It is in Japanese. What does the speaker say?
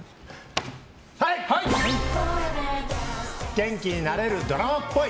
元気になれるドラマっぽい！